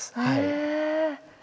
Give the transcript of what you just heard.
へえ。